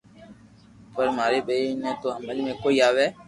پر ماري ٻيئر ني تو ھمج ۾ ڪوئي َآوي